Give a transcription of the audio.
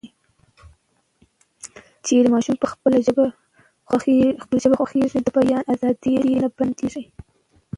که چیري ماشوم په خپله ژبه غږېږي، د بیان ازادي یې نه بندېږي.